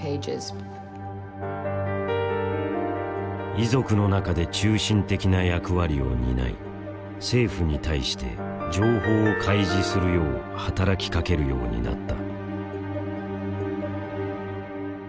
遺族の中で中心的な役割を担い政府に対して情報を開示するよう働きかけるようになった。